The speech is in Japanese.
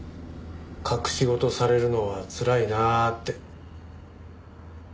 隠し事されるのはつらいなって。